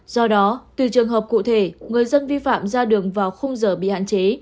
do đó từ trường hợp cụ thể người dân vi phạm ra đường vào khung giờ bị hạn chế